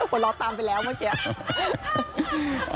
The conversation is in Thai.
พ่อรอตามไปแล้วเมื่อกี้